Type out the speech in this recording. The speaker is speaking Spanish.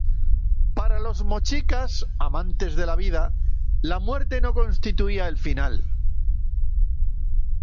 Para los mochicas, amantes de la vida, la muerte no constituía el final.